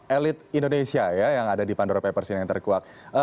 elit indonesia ya yang ada di pandoro papers ini yang terkuak